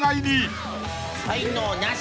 才能ナシ。